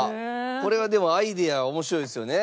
これはでもアイデアは面白いですよね。